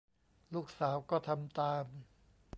ลูกสาวก็ทำตาม